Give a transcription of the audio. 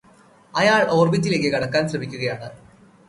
അയാള് ഓര്ബിറ്റിലേയ്ക് കടക്കാന് ശ്രമിക്കുകയാണ്